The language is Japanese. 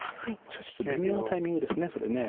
しかし微妙なタイミングですそれ。